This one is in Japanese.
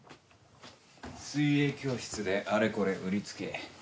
水泳教室であれこれ売りつけ